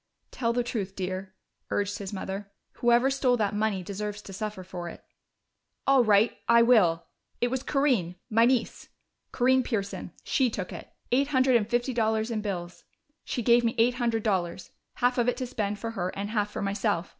"Tell the truth, dear," urged his mother. "Whoever stole that money deserves to suffer for it." "All right I will! It was Corinne my niece, Corinne Pearson. She took it. Eight hundred and fifty dollars in bills. She gave me eight hundred dollars half of it to spend for her, and half for myself.